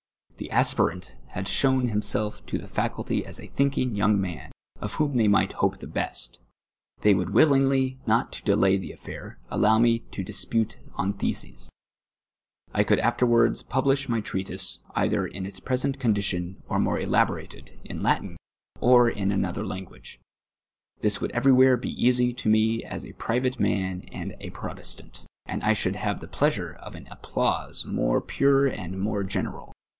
The aspirant h;ul sho^^Tl himself to the theidty .is a tliinkini;; youni^ man, of whom they mii:;ht hope the best : they would willingly, not to delay the att'air, allow me to dispute on titeses. I could ai'terwai'ds publish my ti'eatisc, either in its present condition or more ehiborated, in Latin, or in another lanj^ua^e. This woidd everywhere be easy to mc as a private man and a Protestant, and I shoidd have the pleasure of an a])plause more piu'c and more i^eneral.